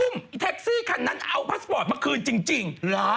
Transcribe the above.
ตึงนะคะเถ่งไอ้แท็กซี่คันนั้นเอาพาสปอร์ตมาคืนจริง